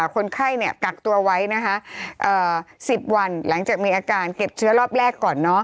คนไข้กักตัวไว้๑๐วันหลังจากมีอาการเก็บเชื้อรอบแรกก่อน